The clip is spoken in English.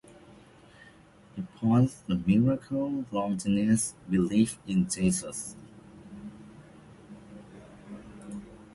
Upon this miracle Longinus believed in Jesus.